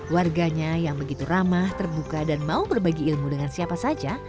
warganya yang begitu ramah terbuka dan mau berbagi ilmu dengan siapa saja